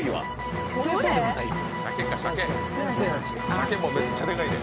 鮭もめっちゃでかいで。